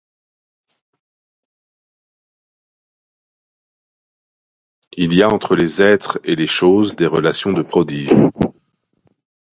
Il y a entre les êtres et les choses des relations de prodige.